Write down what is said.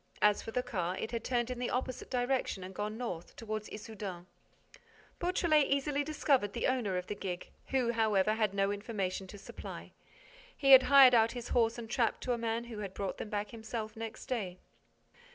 As for the car, it had turned in the opposite direction and gone north, toward Issoudun. Beautrelet easily discovered the owner of the gig, who, however, had no information to supply. He had hired out his horse and trap to a man who brought them back himself next day.